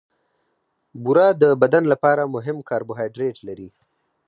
بوره د بدن لپاره مهم کاربوهایډریټ لري.